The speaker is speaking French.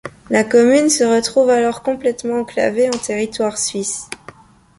La commune se retrouve alors complètement enclavée en territoire suisse.